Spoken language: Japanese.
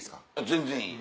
全然いい。